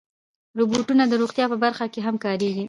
روبوټونه د روغتیا په برخه کې هم کارېږي.